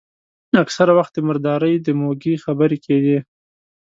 اکثره وخت د مردارۍ د موږي خبرې کېدې.